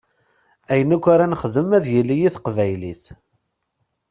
Ayen akk ara nexdem ad yili i teqbaylit.